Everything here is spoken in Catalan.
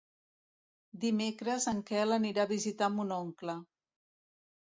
Dimecres en Quel anirà a visitar mon oncle.